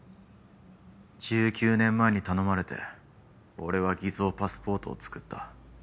１９年前に頼まれて俺は偽造パスポートをつくった。